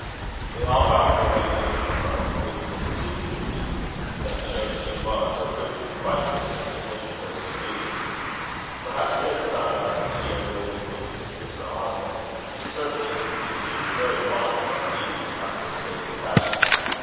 They all, however, waited on Euphra with an assiduity that showed she was, or could be, quite mistress when and where she pleased. Perhaps they had found out that she had great influence with Mr. Arnold; and certainly he seemed very fond of her indeed, after a stately fashion.